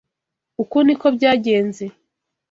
Uku niko byagenze.